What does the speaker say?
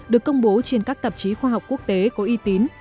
được công bố trên các tạp chí khoa học quốc tế có uy tín